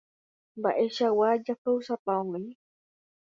Mba'eichagua japeusápa oĩ.